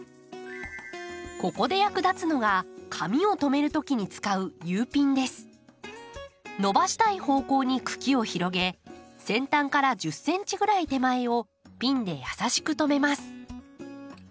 ここで役立つのが髪を留めるときに使う伸ばしたい方向に茎を広げ先端から１０ｃｍぐらい手前をピンで優しく留めます。